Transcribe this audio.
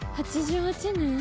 ８８年？